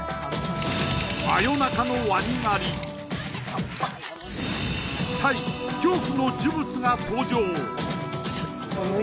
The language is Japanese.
真夜中のワニ狩りタイ恐怖の呪物が登場え